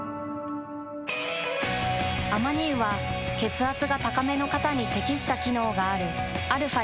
アマニ油は血圧が高めの方に適した機能があるαー